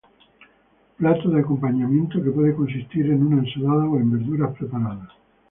Plato de acompañamiento que puede consistir en una ensalada o en verduras preparadas.